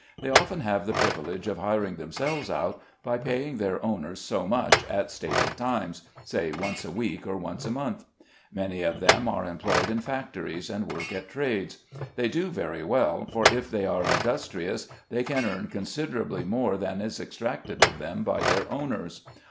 They often have the privilege of hir ing themselves out, by paying their owners so much, at stated times — say once a week, or once a month. Many of them are employed in factories and work at trades. They do very well, for if they are industri ous, they can earn considerably more than is exacted of them by their owners.